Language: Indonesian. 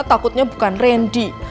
takutnya bukan randy